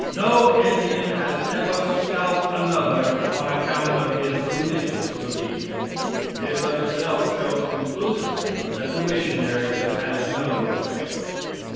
No Indian has ever scalped another on account of his religious belief. This of itself shows conclusively that the missionaries have had no effect.